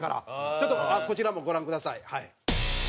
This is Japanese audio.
ちょっとこちらもご覧ください。